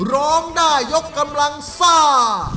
ร้องได้ยกกำลังซ่า